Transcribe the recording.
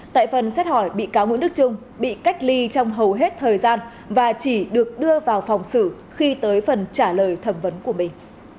tại phần xét hỏi bị cáo nguyễn đức trung bị cách ly trong hầu hết thời gian và chỉ được đưa vào phòng xử khi tới phần trả lời thẩm vấn của mình